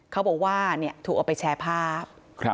เขาบอกว่าถูกเอาไปแชร์ภาพ